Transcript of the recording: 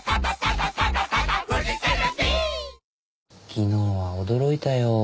昨日は驚いたよ。